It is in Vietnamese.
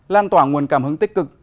lan tỏa nguồn cảm hứng tích cực